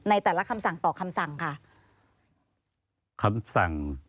ในแต่ละคำสั่งต่อคำสั่งค่ะ